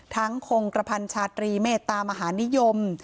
ทั้งทรงกระพันธ์ชาตรีเมตตามาหานิยม